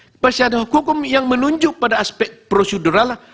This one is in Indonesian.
kepastian hukum yang menunjuk pada aspek prosedural